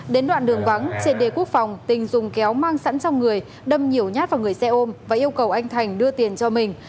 đến đoạn đường vắng trên đê quốc phòng tình dùng kéo mang sẵn trong người đâm nhiều nhát vào người xe ôm và yêu cầu anh thành đưa tiền cho mình